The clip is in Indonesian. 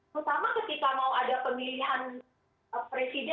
terutama ketika mau ada pemilihan presiden atau pilih tanda ya